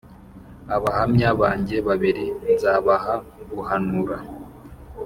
Abahamya banjye babiri nzabaha guhanura,